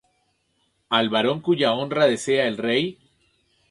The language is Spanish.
Al varón cuya honra desea el rey,